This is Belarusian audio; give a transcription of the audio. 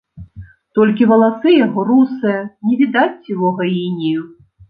Толькі валасы яго русыя, не відаць сівога інею.